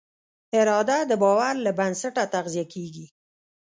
اراده د باور له بنسټه تغذیه کېږي.